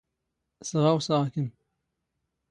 ⵙⵖⴰⵡⵙⴰⵖ ⴽⵎ.